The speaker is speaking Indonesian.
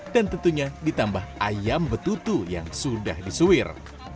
dan tentunya ditambah ayam betutu yang sudah disuir